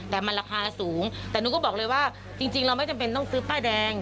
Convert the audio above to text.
แต่มันราคาสูงแต่หนูก็บอกเลยว่าจริงเราไม่จำเป็นต้องซื้อป้ายแดง